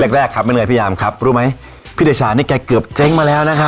แรกแรกครับแม่เหนื่อยพยายามครับรู้ไหมพี่เดชานี่แกเกือบเจ๊งมาแล้วนะครับ